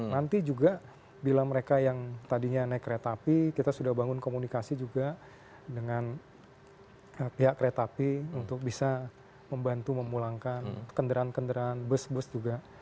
nanti juga bila mereka yang tadinya naik kereta api kita sudah bangun komunikasi juga dengan pihak kereta api untuk bisa membantu memulangkan kendaraan kendaraan bus bus juga